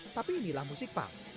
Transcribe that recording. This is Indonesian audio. tapi inilah musik punk